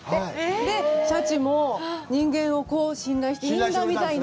で、シャチも人間を信頼していいんだみたいな。